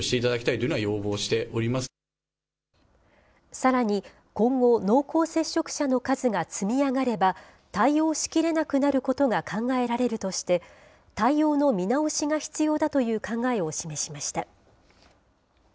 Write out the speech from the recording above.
さらに今後、濃厚接触者の数が積み上がれば、対応しきれなくなることが考えられるとして、対応の見直しが必要だという考えを示しました。